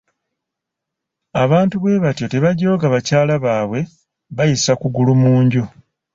Abantu bwe batyo tebajooga bakyala baabwe bayisa kugulu mu nju!